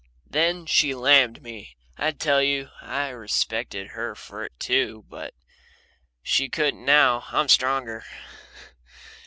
Then she lammed me, I tell you I respected her for it too but she couldn't now, I'm stronger.